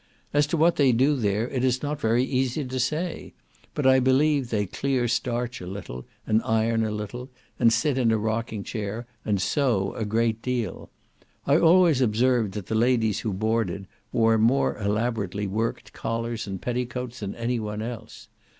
As to what they do there it is not very easy to say, but I believe they clear starch a little, and iron a little, and sit in a rocking chair, and sew a great deal. I always observed that the ladies who boarded, wore more elaborately worked collars and petticoats than any one else.